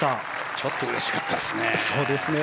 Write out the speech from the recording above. ちょっとうれしかったですね。